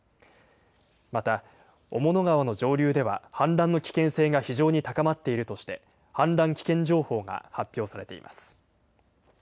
また、雄物川の上流では氾濫の危険性が非常に高まっているとして氾濫危険情報が発表されています。